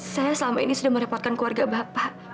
saya selama ini sudah merepotkan keluarga bapak